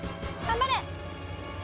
頑張れ！